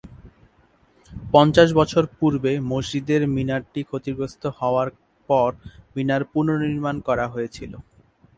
পঞ্চাশ বছর পূর্বে মসজিদের মিনারটি ক্ষতিগ্রস্ত হওয়ার পর মিনার পুনর্নির্মাণ করা হয়েছিল।